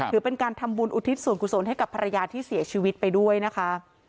ถือเป็นการทำบุญอุทิศส่วนกุศลให้กับภรรยาที่เสียชีวิตไปด้วยนะคะ